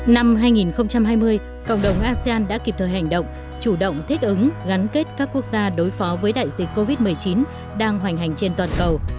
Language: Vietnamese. năm hai nghìn hai mươi cộng đồng asean đã kịp thời hành động chủ động thích ứng gắn kết các quốc gia đối phó với đại dịch covid một mươi chín đang hoành hành trên toàn cầu